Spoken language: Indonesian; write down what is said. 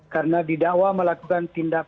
karena didakwa melakukan tindak